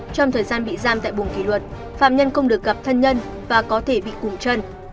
trong thời gian bị giam tại bùng kỷ luật phạm nhân không được gặp thân nhân và có thể bị cùng chân